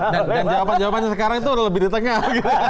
dan jawabannya sekarang itu sudah lebih di tengah